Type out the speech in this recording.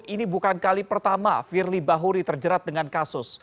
ini bukan kali pertama fir limpa huri terjerat dengan kasus